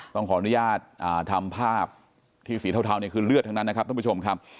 ต้องขออนุญาตทำภาพที่สีเทาเนี่ยคือเลือดทั้งนั้นนะครับท่านผู้ชมครับ